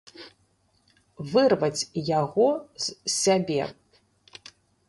Вырваць яго з сябе.